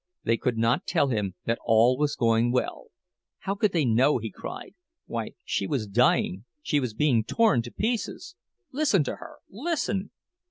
They could not tell him that all was going well—how could they know, he cried—why, she was dying, she was being torn to pieces! Listen to her—listen!